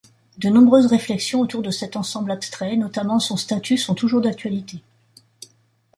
De nombreuses réflexions autour de cet ensemble abstrait, notamment son statut sont toujours d'actualité.